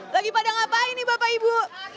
lagi pada ngapain nih bapak ibu